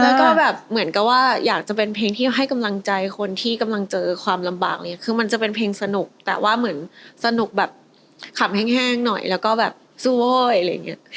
แล้วก็แบบเหมือนกับว่าอยากจะเป็นเพลงที่ให้กำลังใจคนที่กำลังเจอความลำบากอะไรอย่างนี้คือมันจะเป็นเพลงสนุกแต่ว่าเหมือนสนุกแบบขำแห้งหน่อยแล้วก็แบบสู้เว้ยอะไรอย่างเงี้ย